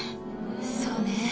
そうね。